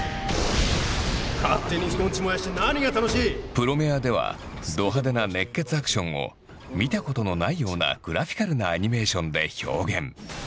「プロメア」ではど派手な熱血アクションを見たことのないようなグラフィカルなアニメーションで表現。